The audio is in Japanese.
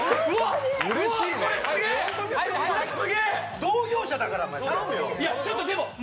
同業者だから頼むよ。